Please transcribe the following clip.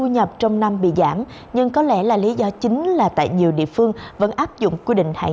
nhập trong năm bị giảm nhưng có lẽ là lý do chính là tại nhiều địa phương vẫn áp dụng quy định hạn